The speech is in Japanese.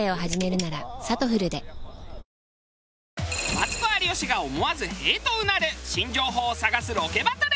マツコ有吉が思わず「へぇ」とうなる新情報を探すロケバトル！